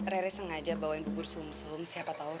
rere sengaja bawain bubur sum sum siapa tahu kan